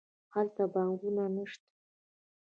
هلته پانګونه نه شته.